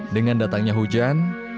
dengan datangnya hujan